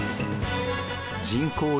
人口